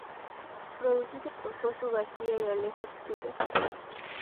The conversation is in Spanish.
Producido por Josu García y Alejo Stivel.